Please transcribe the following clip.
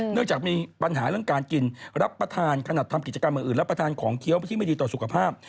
เนื่องจากมีปัญหาเรื่องการกินรับประทานขนาดทำกิจกรรมอย่างอื่นรับประทานของเคี้ยวที่ไม่ดีต่อสุขภาพ